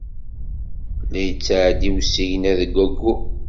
La yettɛeddi usigna deg wayyur.